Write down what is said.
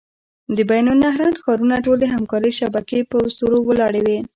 د بین النهرین ښارونو ټولې همکارۍ شبکې په اسطورو ولاړې وې.